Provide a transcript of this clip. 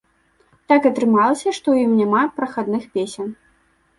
Так атрымалася, што ў ім няма прахадных песень.